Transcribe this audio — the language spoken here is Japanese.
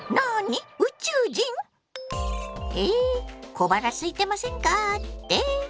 小腹すいてませんかって？